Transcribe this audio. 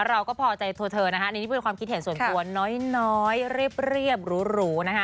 เราก็พอใจของทุกคนควรมีน้อยเรียบหรู